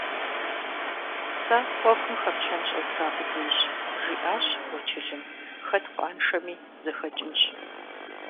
- Сэ Ӏуэхум хэплъэн щӀэздза къудейщ, - жиӏащ уэчылым, - хэт къуаншэми зэхэкӀынщ…